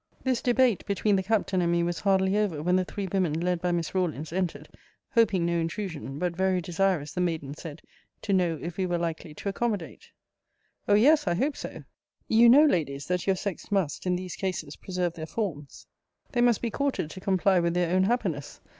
This debate between the Captain and me was hardly over when the three women, led by Miss Rawlins, entered, hoping no intrusion, but very desirous, the maiden said, to know if we were likely to accommodate. O yes, I hope so. You know, Ladies, that your sex must, in these cases, preserve their forms. They must be courted to comply with their own happiness.